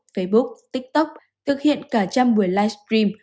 facebook tiktok thực hiện cả trăm buổi live stream